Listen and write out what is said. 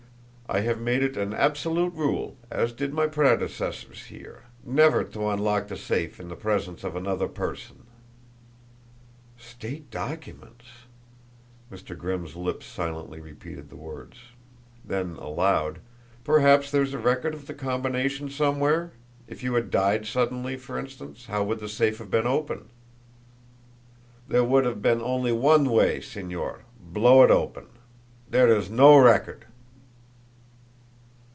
I have made it an absolute rule, as did my predecessors here, never to unlock the safe in the presence of another person." "State documents!" Mr. Grimm's lips silently repeated the words. Then aloud: "Perhaps there's a record of the combination somewhere? If you had died suddenly, for instance, how would the safe have been opened?" "There would have been only one way, Señor blow it open. There is no record."